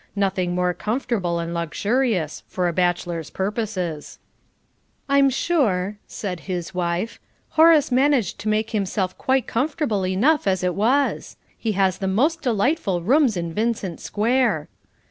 Nothing more comfortable and luxurious for a bachelor's purposes." "I'm sure," said his wife, "Horace managed to make himself quite comfortable enough as it was. He has the most delightful rooms in Vincent Square."